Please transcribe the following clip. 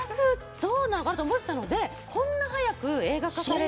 どんなのかなと思っていたのでこんなに早く映画化されて。